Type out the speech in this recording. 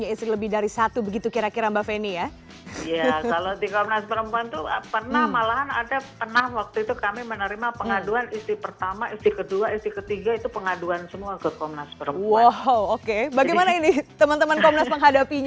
jadi ini adalah hal yang sangat penting